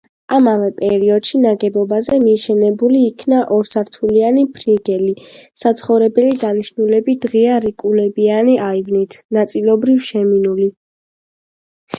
ამავე პერიოდში ნაგებობაზე მიშენებული იქნა ორსართულიანი ფლიგელი, საცხოვრებელი დანიშნულებით ღია რიკულებიანი აივნით, ნაწილობრივ შემინული.